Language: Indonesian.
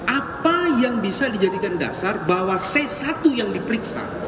apa yang bisa dijadikan dasar bahwa c satu yang diperiksa